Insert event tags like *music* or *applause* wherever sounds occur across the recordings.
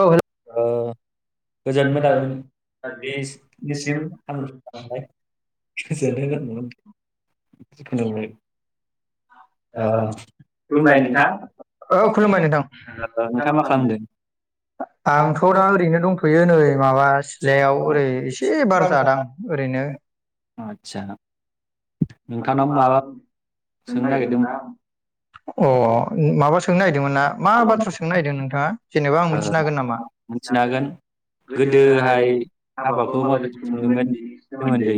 औ हेल' *unintelligible* गोजोन मोनबिलिनिसिम गाहाम हामलायनाय थाबाय गोजोनथों होननांगौ ना मानांगौ *unintelligible* खुलुमबाय नोंथां औ खुलुमबाय नोंथां नोंथाङा मा खालामदों? आंथ' दा ओरैनो दंथ'यो नै माबा सिलायाव ओरै एसे बारादां ओरैनो था माबानो नागिरदोंमोन न अ माबा सोंनाय दोंमोना मा बाथ्रा सोंनो नागिरदों नोंथाङा जेनेबा आं मिथिनो हागोन नामा मिथि हागोन गोदोहाय हाबाखौ माबायदि थुङोमोन बेनि सोमोन्दै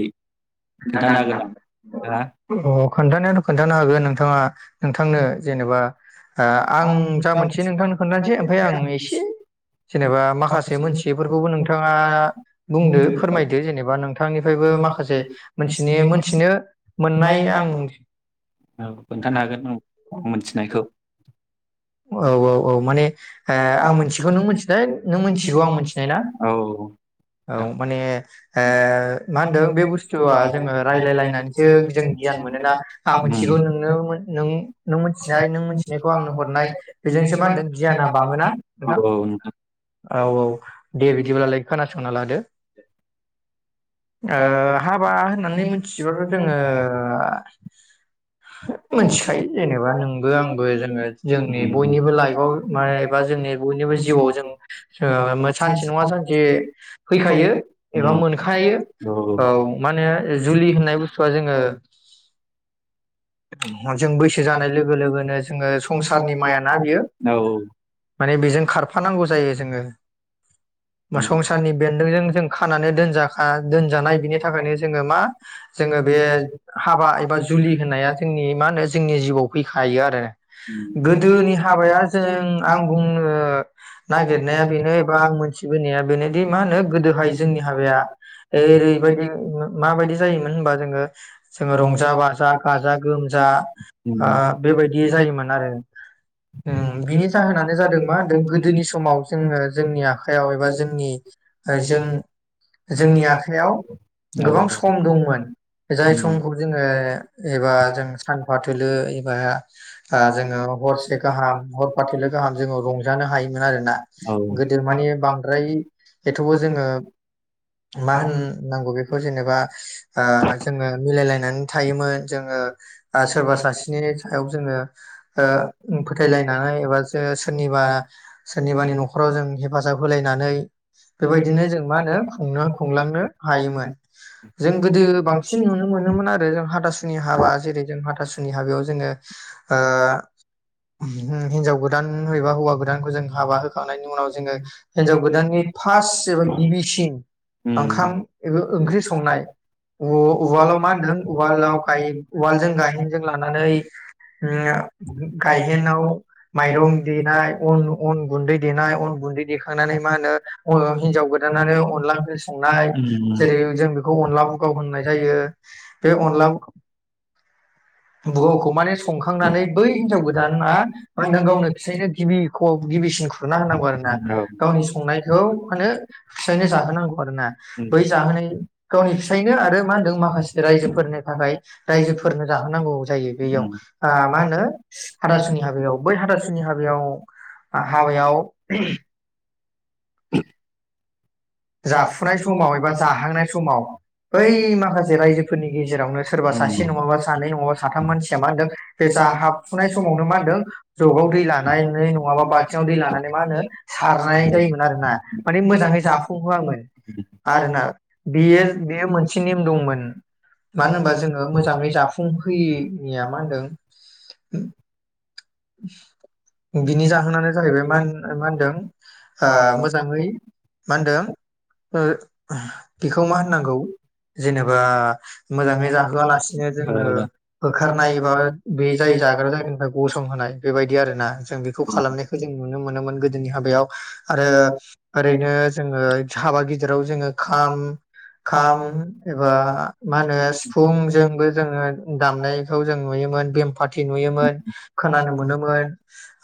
खोन्थानो हागोन नामा? अ खोन्थानायाथ' खोन्थानो हागोन नोंथाङा। नोंथांनो जेनेबा आं जा मोनसे नोंथांनो खोन्थानोसै ओमफफ्राय आं एसे जेनेबा माखासे मोनथियैफोरखौबो नोंथाङा बुंदो फोरमायदो जेनेबा नोंथांनिफ्रायबो माखासे मोनथिनो मोनथिनो मोननाय आं बेखौ औ औ औ माने आं मोनथिगौ नों मोनथिनाय नों मिथिगौ आं मोनथिनाय ना औ ओ माने ओ मा होनदों बे बुस्थुआ जोङो रायलायलायनानैसो जों गियान मोनोना आं मोनथिगौ नों नों नों मोनथिनाय नों मोनथिनायखौ आंनो हरनाय बेजोंसो मा होनदों गियाना बाङोना नोंथां औ औ दे बिदिब्लालाय खोनासंना लादो हाबा होननानै मिथिबाथ' जोङो मिथिखायो जेनेबा नोंबो आंबो जोङो जोंनि बयनिबो लाइफआव मबा जोंनि बयनिबो जिउआव जों सानसे नङा सानसे फैखायो एबा मोनखायो औ माने जुलि होननाय बुस्थुआ जोङो। जों बैसो जानाय लोगो लोगोनो जोङो संसारनि माया। ना बियो औ माने बेजों खारफानांगौ जायो जोङो। संसारनि बेन्दोंजों जों खानानै दोनजाखा दोनजानाय बिनि थाखायनो जोङो मा जोङो बे हाबा एबा जुलि होननाया जोंनि मा होनो जोंनि जिउआव फैखायो आरो दोनि हाबाया जों आं बुंनो नागिरनाया बेनो बा आं मोन गोदोनिया बेनोदि मा होनो गोदोहाय जोंनि हाबाया ओरैबायदि माबायदि जायोमोन होनबा जोङो जोङो रंजा बाजा गाजा गोमजा आ बेबायदि जायोमोन आरो। ओम बिनि जाहोनानो जादों मा दो होनदों गोदोनि समाव जोङो जोंनि आखाइ आयाव एबा जोंनि ओजों जोंनि आखायाव गोबां सम दंमोन जाय समखौ जोङो एबा जों सानफा थोलो एबा आ जोङो हरसे गाहाम हरफा थोलो गाहाम जोङो रंजानो हायोमोन आरोना गोदो मानि द्राय एथ'बो जोङो मा होननांगौ बेखौ जेनेबा ओ जोङो मिलायलायनानै थायोमोन जोङो आ सोरबा सासेनि सायाव जोङो ओ उम फोथायलायनानै एबा जे सोरनिबा सोरनिबानि न'खराव जों हेफाजाब होलायनानै बेबायदिनो जों मा होनो खुंनो खुंलांनो हायोमोन जों गोदो बांसिन नुनो मोनोमोन आरो जों हाथासुनि हाबा जेरै जों हाथासुनि हाबायाव जोङो ओ होम हिनजाव गो दान एबा हौवा गोदान जों हाबा होखांनायनि उनाव जोङो हिनजाव गोदाननि फास एबा गिबिसिन ओंखाम ओंख्रि संनाय उ उवालाव मा होन्दों उवालाव उवालजों गाहेनजों लानानै ओम गायहेनाव माइरं देनाय अन-अन गुन्दै देनाय अन गुन्दै देखांनानै मा होनो अन हिन्जाव गोदानानो अनला ओंख्रि संनाय जेरै जों बेखौ अनला बुगाव होननाय जायो बे अनला बुगावखौ माने संखांनानै बै गोदोना मा होनदों गावनो फिसायनो गिबिख' गिबिसिन खुरना होनांगौ आरोना गावनि संनायखौ मा होनो फिसायनो जाहोनांगौ आरोना बै जाहोनाय गावनि फिसायनो आरो मा होनदों माखासे रायजोफोरनि थाखाय रायजोफोरनो जाहोनांगौ। बेयाव‌ ओ मा होनो हाथासुनि हाबायाव बै हाथासुनि हाबायाव-हाबायाव *unintelligible* *inaudible* जाफुनाय समाव एबा जाहांनाय समाव बै माखासे रायजोफोरनि गेजेरावनो सोरबा सासे नङाबा सानै नङाबा साथाम मानसिया मा होनदों बे जाहाबफुनाय समावनो मा होनदों जगाव दै लानानै नङाबा बाल्थिङाव दै लानानै मा होनो सारनाय जायोमोन आरोना माने मोजाङै जा होआमोन आरोना बेयो बेयो मोनसे नेम दंमोन मानो होनबा जोङो मोजाङै जाफुं होयैनिया मा होनदों *inaudible* बिनि जाहोनानो जाहैबाय मा मा होनदों ओ मोजाङै मानदों ओ बेखौ मा होननांगौ जेनेबा मोजाङै जाहोआलासिनो जोङो होखारनाय एबा बे जाय जाग्रा जायगानिफ्राय गसंहोनाय बेबायदि आरो ना जों बेखौ खालामनायखौ जों नुनो मोनोमोन गो जोंनि हाबायाव आरो ओरैनो ओ हाबा गिदिराव जोङो खाम खाम एबा मा होनो सिफुंजोंबो जोङो दामनायखौ जों नुयोमोन बेम पार्टि नुयोमोन खोनानो मोनोमोन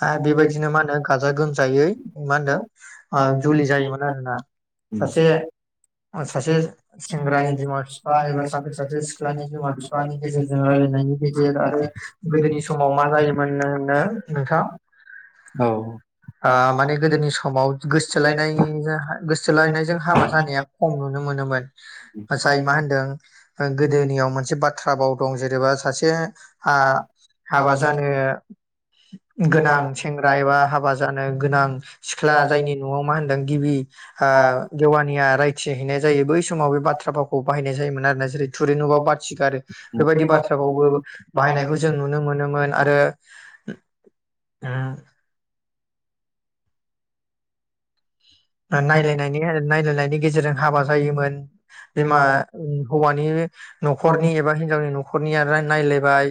हा बेबायदिनो मा होनो गाजा गोम जायै मा होनदों ओ जुलि जायोमोन *unintelligible* सासे सासे सेंग्रानि बिमा बिफा एबा सासे सासे सिख्लानि बिमा बिफानि गेजेरजों रायलायनायनि गेजेर आरो गोदोनि समाव मा जायोमोननो नोंथां ओ माने गोदोनि समाव गोसोथोलायनाय *unintelligible* गोसो थोलायनायजों हाबा जानाया खम नुनो मोनोमोन आस्सा इयो मा होनदों ओ गोदोनियाव मोनसे बा थ्रा फाव दं जेनेबा सासे आ हाबा जानो गोनां सेंग्रा एबा हाबा जानो गोनां सिख्ला जायनि न'आव मा होन नों गिबि आ देवानिया राय थि हैैनाय जायो बै समाव बे बाथ्रा फावखौ बाहायनाय जायोमोना जेरै थुरि नुबा बाथिगारो बेबायदि बाथ्राखौबो बाहायनायखौ जों नुनो मोनोमोन आरो उम नायलायनायनि नायनायलाय नि गेजेरजों हाबा जायोमोन। बिमा हौवानि न'खरनि एबा हिनजावनि न' 'खरनिया आरो‌ नायलायबाय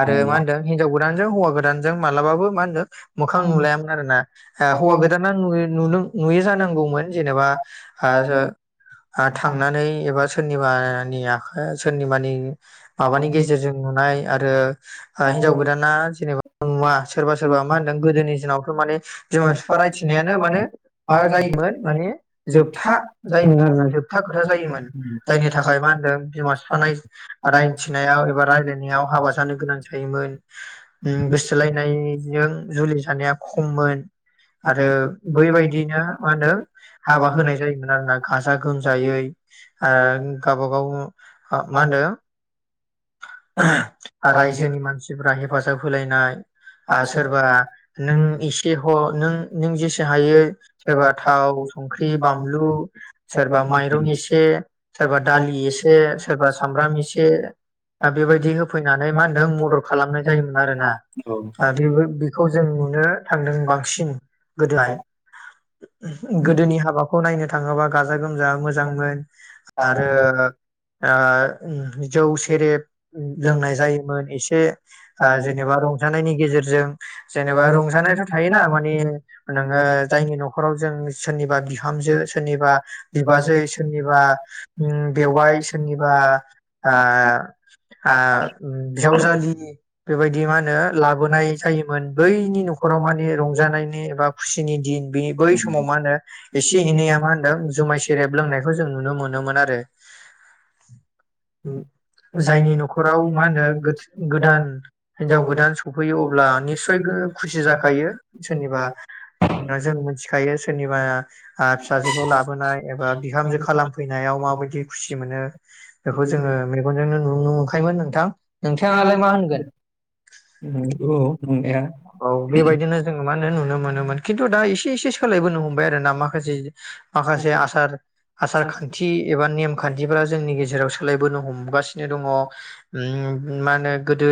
आरो मा होनदों हिनजाव गो दानजों हौवा गोदानजों मालाबाबो मा होनगोन मोखां नुलायामोन आरो ना ओ हौवा गोदाना नुयो नुनो नुयो जा नांगौमोन जेनेबा आरो आ थांनानै एबा सोरनिबानि आखाइ सोरनिबानि माबानि गेजेरजों नुनाय आरो हिनजाव गोदाना जेनेबा नुवा सोरबा सोरबा मा होनदों गोदोनि दिनावथ' माने बिमा बिफा रायथिनायानो माने मा जा माने जोबथा जायोम आरोना जोबथा खोथा जायोमोन जायनि थाखाय मा होनदों बिमा बिफा रायथिनायाव एबा रायलायनायाव हाबा जानो गोनां जायोमोन गोसथोलायनायजों जुलि जानाया खममोन। आरो बैबायदिनो मा होनो हाबा होनाय जायोमोन आरो ना गाजा गोमजायै ओ गावबा गाव मा होनो रायजोनि मानसिफोरा हेफाजाब होलायनाय आर सोरबा नों एसे अ नों नों जेसे हायो सोरबा थाव संख्रि बानलु सोरबा माइरं एसे सोरबा दालि एसे सोरबा सामब्राम एसे बेबायदि होफैनानै मा होनदों मदद खालामनाय जायोमोन आरोना ओ बेबो बेखौ जों नुनो था नों बांसिन गोदोहाय गोदोनि हाबाखौ नायनो थाङोबा गाजा गोमजा मोजांमोन। आरो आ जौ सेरेब लोंनाय जायोमोन एसे ओ जेनेबा रंजानायनि गेजेरजों जेनेबा रंजानायाथ' थायोना माने नोङो जायनि न न'खराव जों सोरनिबा बिहामजो सोरनिबा बिबाजै सोरनिबा ओ बेवाइ सोरनिबा ओ ओ बिजावजालि बेबायदि मा होनो लाबोनाय जायोमोन बैनि न'खराव माने रंजानायनि एबा खुसिनि दिन बि बै समाव मा होनो एसे एनैया मा होनदों जुमाय सेरेब लोंनायखौ जों नुनो मोनोमोन आरो जायनि न'खराव मा होनो गोदान हिनजाव गोदान सफैयो अब्ला निस्सय खुसि जाखायो सोरनिबा जों मोनसे दायो सोरनिबा ओ फिसाजोखौ लाबोनाय एबा बिहामजो खालामफैनायाव माबायदि खुसि मोनो बे बेखौ जों‌ङो मेगनजोंनो नुनो मोनखायोमोन नोंथां *unintelligible* नुनो मोनोमोन खिनथु दा एसे एसे सोलायबोनो हमबाय आरो ना माखासे माखासे आसार आसार खान्थि एबा नेम खान्थिफोरा जोंनि गेजेराव सोलायबोनो हमगासिनो दङ मा होनो गोदो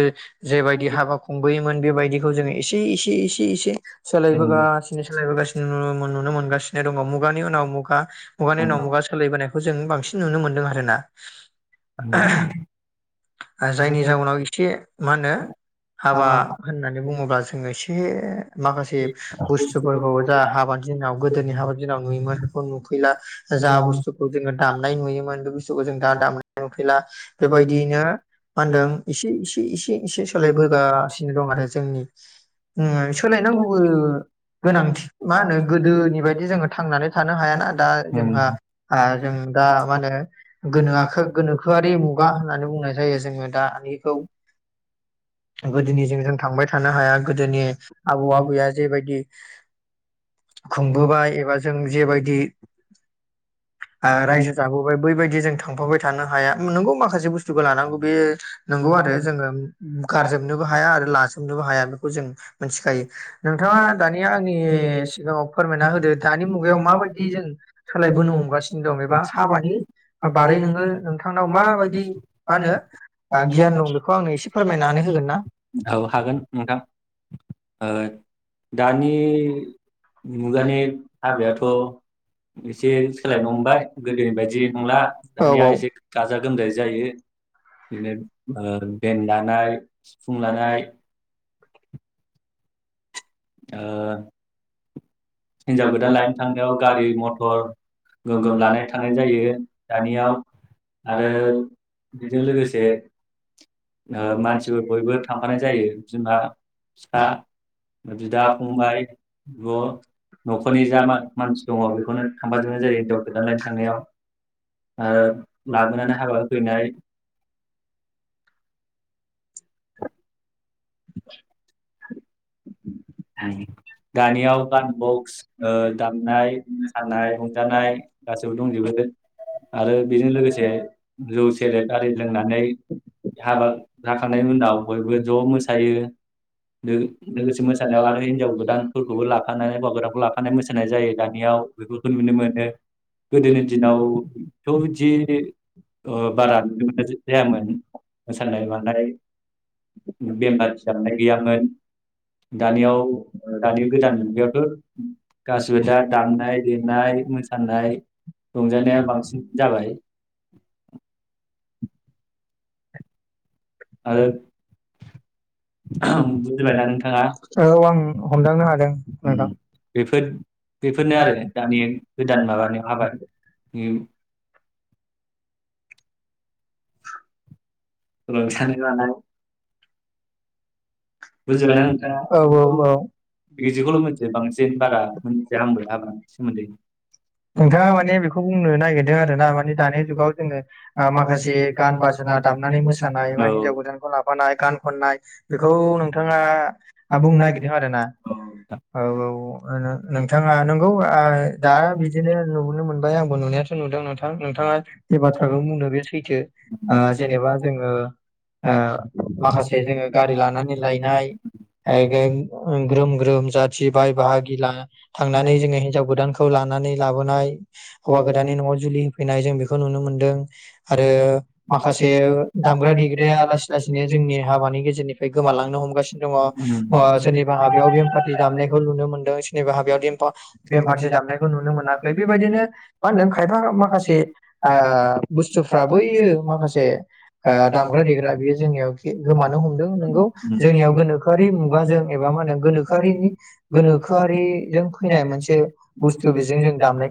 जेबायदि हाबा खुंबोयो मोन बेबायदिखौ जोङो एसे एसे एसे एसे सोलायबोगासिनो सोलायबोगासि नुनो मोनगासिनो दङ मुगानि उनाव मुगा मुगानि उनाव मुगा सालायबोनाय खौ जों बांसिन नुनो मोनदों आरोना जायनि जाउनाव एसे मा होनो हाबा होननानै बुङोब्ला जोङो एसे ए माखासे बुस्थुफोरखौ दा हाबा दिनाव गोदोनि हाबा दिनाव नुयोमोन नुफैला जा बुस्थुखौ जोङो दामनाय नुयोनम बे बु स्थुखौ दा दामनाय नुफैला बेबायदियैनो माहोनदों इसे इसे इसे इसे सोलायबोगासिनो दं आरो जोंनि सोलायनांगौबो गोनांथि मा होनो गोदोनि बायदि जोङो थांनानै थानो हायाना दा जोंहा आ जों दा मा होनो गोनो गोनोखोआरि मु गा होननानै बुंनाय जायो जोङो दानिखौ गोदोनिजों जों थांबाय थानो हाया गोदोनि आबौ आबैया जेबायदि खुंबोबाय एबा जों जेबायदि ओ रायजो जाबोबाय बै बाय दि जों थांफाबाय थानो हाया नंगौ माखासे बुस्थुखौ लानांगौ बे नंगौ आरो जोङो गारजोबनोबो हाया आरो ला जोबनोबो हाया बेखौ जों मिनथिखायो नोंथाङा दानिया आंनि सिगाङाव फोरमायना होदो दानि मुगायाव माबायदि जों सोलायबोनो हमगासिनो दं एबा हाबानि बारै नोङो नोंथांनाव माबायदि मा होनो गियान दं बेखौ आंनो एसे फोरमायनानै होगोन ना ओ दानि मुगानि हाबायाथ' एसे सोलायनो हमबाय गोदोनि बायदि नंला दानिया एसे गाजा गोमजायै जायो बिदिनो ओ बेन लानाय सिफुं लानाय ओ हिनजाव गोदान लायनो थांनायाव गारि मथर गोम गोम लानाय थानाय जायो दानियाव आरो बेजों लोगोसे मानसिफोर बयबो थांफानाय जायो बिमा-फिफा, बिदा-फंबाय, बिब' न'खरनि जा मानसि दङ बेखौनो थांफाजोबनाय जायो हिनजाव गोदान लायनो थांनायाव लाबोनानै हाबा होफैनाय। *inaudible* *unintelligible* दानियाव बक्स दामनाय मोसानाय रंजानाय गासैबो दंजोबो आरो बेजों लोगोसे जौ सेरेब आरि लोंनानै हाबा जाखांनायनि उनाव बयबो ज' मोसायो लोगोसेनो *unintelligible* आरो हिन्जाव गोदान *unintelligible* लाफानाय गावबुराखौ लाफानाय मोसानाय जायो दानियाव बेफोरखौ नुनो मोनो गोदोनि दिनावथ' बिदि बारा नुनाय जायामोन मोसानाय मानाय बेम फाथि दामनाय गैयामोन। दानियाव दानि गोदान मुगायावथ' गासिबो दा दामनाय देनाय मोसानाय रंजानाया बांसिन जाबाय। आरो बुजिबायना नोंथाङा बेफोर बेफोरनो आरो दानि गोदान माबानि *unintelligible* *unintelligible* लानाय बुजिबायना नोंथाङा औ औ औ *unintelligible* नोंथाङा माने बेखौ बुंनो नागिरदों आरो ना माने दानि जुगाव जोङो माखासे गान बाजना दामनानै मोसानाय एबा हिन्जाव गोदानखौ लाफानाय गान खननाय बेखौ नों नोंथाङा बुंनो नागिरदों आरो ना औ औ नोंथाङा नंगौ दा बिदिनो नुबोनो मोनबाय आंबो नुनाया थ' नुदों नोंथां-नोंथाङा जि बाथ्राखौनो बुंदों बे सैथो। आ जेनेबा जोङो आ माखासे जोङो। गारि लानानै लायनाय ग्रोम ग्रोम जाथि बाय बाहागि ला थांनानै जोङो हिनजाव गोदानखौ लानानै लाबोनाय हौवा गोदाननि न'आव जुलि होफैनाय जों बेखौ नुनो मोनदों। आरो माखासे दामग्रा देग्राया लासै लासैनो जोंनि हाबानि गेजेराव बे गोमालांनो हमगासिनो दङ सोरनिबा हाबायाव बेम पार्टि दामनायखौ नुनो मोनदों सोरनिबा हाबायाव बेम पार्टि दामनायखौ नुनो मोनाखै बेबायदिनो मा होनदों खायफा माखासे आ बुसथुफ्रा बैयो माखासे दामग्रा-देग्रा बियो जोंनियाव गोमानो हमदों। नंगौ जोंनियाव गोनोखोआरि मुगाजों एबा मा होनो गोनोखोआरि जों फैनाय मोनसे बुसथु बेजों जों दामनाय।